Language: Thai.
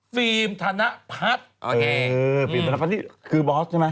ฟิล์มธนพัฒน์นี่คือบอสใช่ไหม